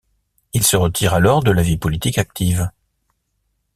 Il se retire alors de la vie politique active.